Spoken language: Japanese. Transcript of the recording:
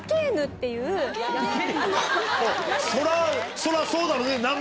そりゃそうだろうね。